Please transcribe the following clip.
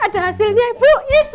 ada hasilnya ibu